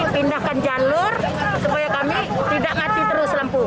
pindahkan jalur supaya kami tidak ngasih terus lampu